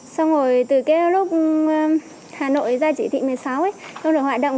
xong rồi từ cái lúc hà nội ra chỉ thị một mươi sáu không được hoạt động